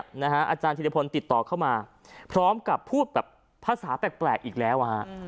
อาจารย์ธิรพลติดต่อเข้ามาพร้อมกับพูดแบบภาษาแปลกอีกแล้ว